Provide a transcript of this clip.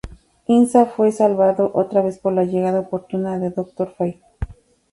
Inza fue salvado otra vez por la llegada oportuna de Doctor Fate.